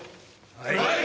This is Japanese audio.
はい！